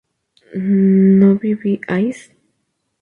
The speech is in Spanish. ¿no vivíais?